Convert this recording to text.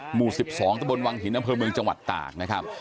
หมู่๑๒ตะบนวังหินอำเภอเมืองจังหวัดตากนะครับ